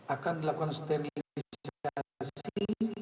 akan dilakukan sterilisasi